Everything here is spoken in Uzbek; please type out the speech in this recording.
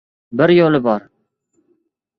Bir yo‘li bor.